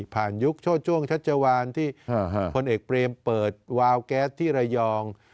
ผ่านยุคช่วงชัดจวานที่คนเอกเปลมเปิดวาล์แก๊สที่ระยอง